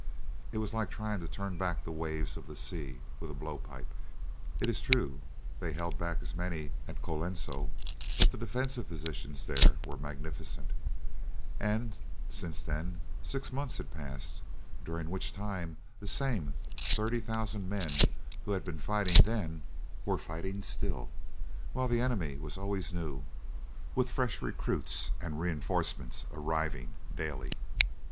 It was like trying to turn back the waves of the sea with a blow pipe. It is true they had held back as many at Colenso, but the defensive positions there were magnificent, and since then six months had passed, during which time the same thirty thousand men who had been fighting then were fighting still, while the enemy was always new, with fresh recruits and re enforcements arriving daily.